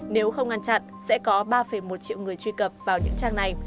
nếu không ngăn chặn sẽ có ba một triệu người truy cập vào những trang này